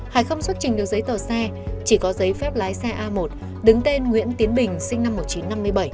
hải không xuất trình được giấy tờ xe chỉ có giấy phép lái xe a một đứng tên nguyễn tiến bình sinh năm một nghìn chín trăm năm mươi bảy